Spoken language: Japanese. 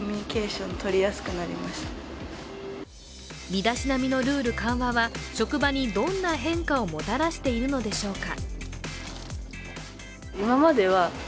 身だしなみのルール緩和は職場にどんな変化をもたらしているのでしょうか。